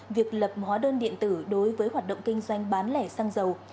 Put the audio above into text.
việc lập hóa đơn điện tử đối với hoạt động kinh doanh bán lẻ xăng dầu